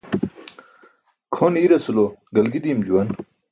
Kʰon iirasulo galgi diim juwan.